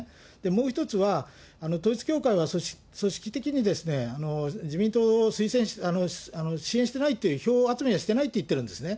もう１つは、統一教会は組織的に自民党を支援してないという、票集めはしてないって言ってるんですね。